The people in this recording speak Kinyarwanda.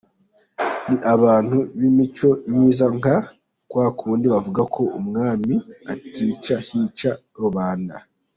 Ni abantu b’imico myiza nka kwakundi bavuga ko umwami atica hica rubanda.